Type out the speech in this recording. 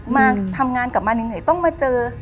มาทำงานกลับมาเหนื่อยต้องมาเจอ